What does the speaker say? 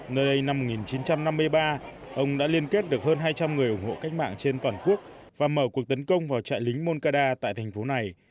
nơi đây năm một nghìn chín trăm năm mươi ba ông đã liên kết được hơn hai trăm linh người ủng hộ cách mạng trên toàn quốc và mở cuộc tấn công vào trại lính moncada tại thành phố này